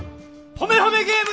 ほめほめゲーム？